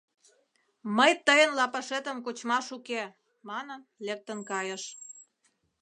«Мый тыйын лапашетым кочмаш уке» манын, лектын кайыш...